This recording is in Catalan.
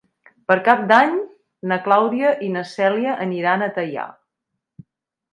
Per Cap d'Any na Clàudia i na Cèlia aniran a Teià.